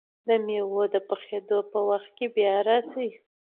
د مېوو د پخېدو په وخت کې بیا راشئ!